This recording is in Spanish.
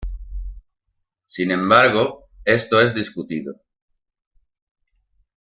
Sin embargo, esto es discutido.